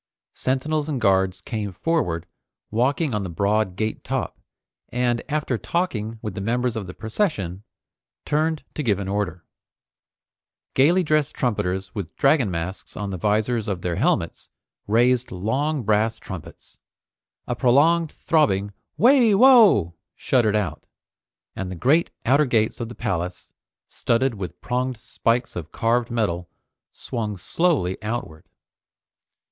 Sentinels and guards came forward, walking on the broad gate top, and after talking with the members of the procession, turned to give an order. Gaily dressed trumpeters with dragon masks on the visors of their helmets raised long brass trumpets. A prolonged throbbing "Wai! Wo!" shuddered out, and the great outer gates of the palace, studded with pronged spikes of carved metal, swung slowly outward.